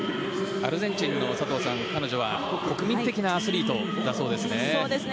アルゼンチンの彼女は国民的なアスリートだそうですね。